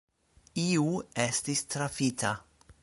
Iu estis trafita.